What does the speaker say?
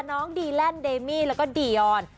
น้องดีแลนด์เดมี่แล้วก็ดียอน